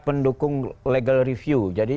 pendukung legal review jadi